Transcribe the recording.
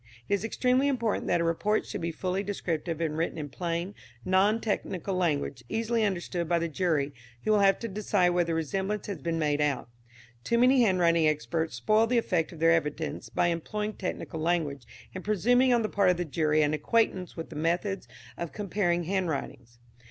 It is extremely important that a report should be fully descriptive and written in plain, non technical language, easily understood by the jury, who will have to decide whether the resemblance has been made out. Too many handwriting experts spoil the effect of their evidence by employing technical language and presuming on the part of the jury an acquaintance with the methods of comparing handwritings.